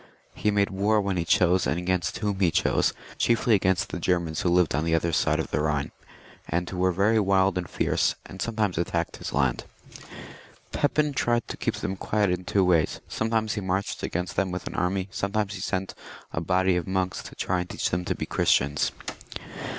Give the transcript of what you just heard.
He made war when he chose and against whom he chose, chiefly against the Germans who lived on the other side of the Ehine, and who were very wild and fierce, and sometimes attacked his land. Pepin tried to keep them quiet in two ways ; some times he marched against them with an army, sometimes he sent a body of monks to try and teach them to be Christians.